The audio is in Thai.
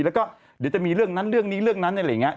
แล้วก็เดี๋ยวจะมีเรื่องนั้นเรื่องนี้เรื่องนั้นอะไรอย่างนี้